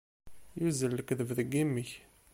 Yuzzel lekdeb deg yimi-k.